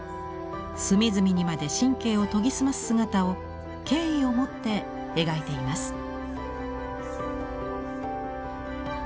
隅々にまで神経を研ぎ澄ます姿を敬意を持って描いています。